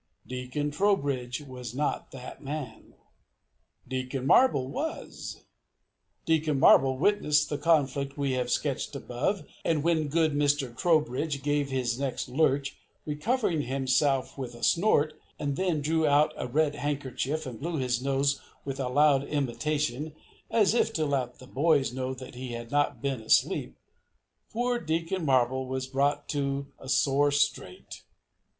Deacon Trowbridge was not that man. Deacon Marble was! Deacon Marble witnessed the conflict we have sketched above, and when good Mr. Trowbridge gave his next lurch, recovering himself with a snort, and then drew out a red handkerchief and blew his nose with a loud imitation, as if to let the boys know that he had not been asleep, poor Deacon Marble was brought to a sore strait.